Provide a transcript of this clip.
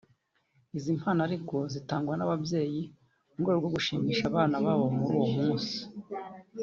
izi mpano ariko zitangwa n’ababyeyi mu rwego rwo gushimisha abana babo kuri uwo munsi